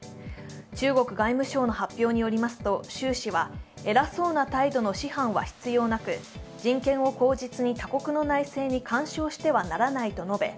中国外務省の発表によりますと習氏は偉そうな態度の師範は必要なく、人権を口実に他国の内政に干渉してはならないと述べ